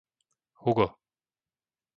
Hugo